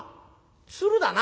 鶴だな？